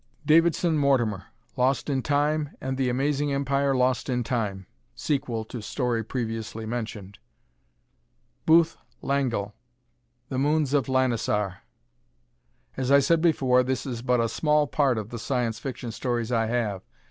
Davidson Mortimer: "Lost in Time" and "The Amazing Empire Lost in Time" (sequel to story previously mentioned). Booth Langell: "The Moons of Lanisar." As I said before, this is but a small part of the Science Fiction stories I have.